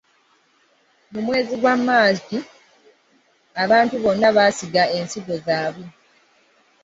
Mu mwezi gwa Maaci abantu bonna ab'omu byalo basiga ensigo zaabwe.